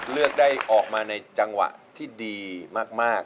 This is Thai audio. เลือกได้ออกมาในจังหวะที่ดีมาก